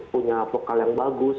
punya vokal yang bagus